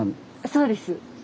そうです。